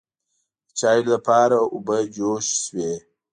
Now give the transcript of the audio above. د چایو لپاره اوبه جوش شوې.